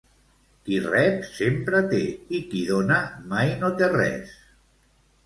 Qui rep sempre té i qui dóna mai no té res